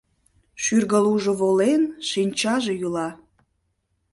Шӱргылужо волен, шинчаже йӱла